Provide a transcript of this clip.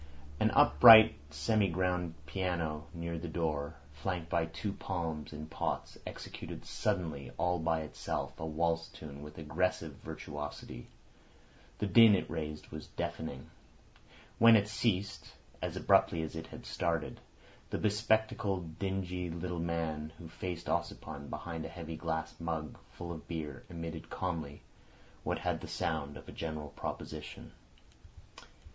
An upright semi grand piano near the door, flanked by two palms in pots, executed suddenly all by itself a valse tune with aggressive virtuosity. The din it raised was deafening. When it ceased, as abruptly as it had started, the be spectacled, dingy little man who faced Ossipon behind a heavy glass mug full of beer emitted calmly what had the sound of a general proposition.